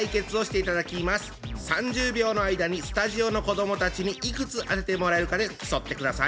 ３０秒の間にスタジオの子どもたちにいくつ当ててもらえるかで競ってください。